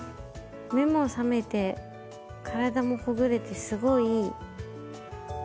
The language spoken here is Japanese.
目も覚めて体もほぐれてすごいいい。